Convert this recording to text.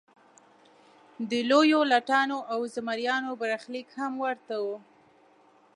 د لویو لټانو او زمریانو برخلیک هم ورته و.